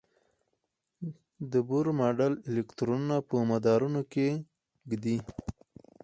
د بور ماډل الکترونونه په مدارونو کې ږدي.